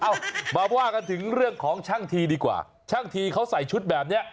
เอามาว่ากันถึงเรื่องของช่างทีดีกว่าช่างทีเขาใส่ชุดแบบเนี้ย